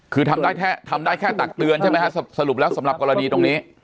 คือทำได้แค่ตักเตือนใช่ไหมฮะสรุปแล้วสำหรับกรณีตรงนี้